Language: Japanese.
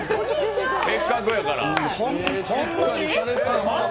せっかくだから。